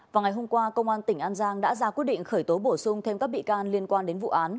vào ngày hôm qua công an tỉnh an giang đã ra quyết định khởi tố bổ sung thêm các bị can liên quan đến vụ án